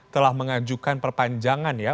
telah mengajukan perpanjangan ya